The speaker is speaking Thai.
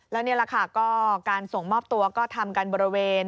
แล้วนี่แหละค่ะก็การส่งมอบตัวก็ทำกันบริเวณ